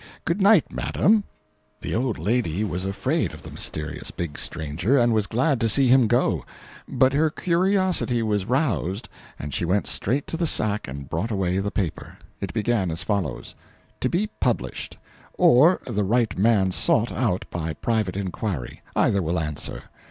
Good night, madam." The old lady was afraid of the mysterious big stranger, and was glad to see him go. But her curiosity was roused, and she went straight to the sack and brought away the paper. It began as follows: "TO BE PUBLISHED, or, the right man sought out by private inquiry either will answer.